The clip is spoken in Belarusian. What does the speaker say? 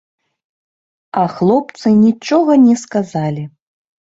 А хлопцы нічога не сказалі.